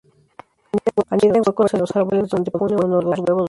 Anida en huecos en los árboles donde pone uno o dos huevos blancos.